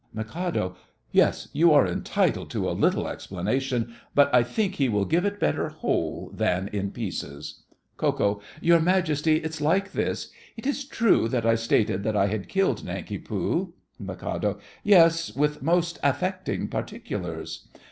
MIK. Yes, you are entitled to a little explanation, but I think he will give it better whole than in pieces. KO. Your Majesty, it's like this: It is true that I stated that I had killed Nanki Poo—— MIK. Yes, with most affecting particulars.